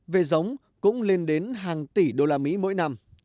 về giống cũng lên đến hàng tỷ đô la mỹ mỗi năm